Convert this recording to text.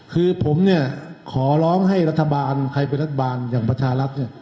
คือผมเนี่ยขอร้องให้รัฐบาลใครเป็นรัฐบาลอย่างประชารัฐเนี่ย